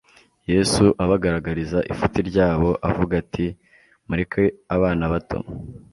Yesu abagaragariza ifuti ryabo, avuga ati : "Mureke abana bato,